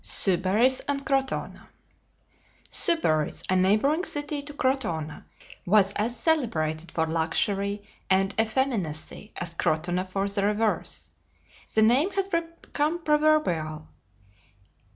SYBARIS AND CROTONA Sybaris, a neighboring city to Crotona, was as celebrated for luxury and effeminacy as Crotona for the reverse. The name has become proverbial.